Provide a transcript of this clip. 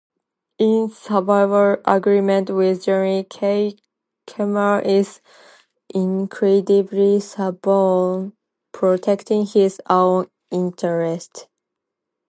In several arguments with Jerry, Kramer is incredibly stubborn, protecting his own interests.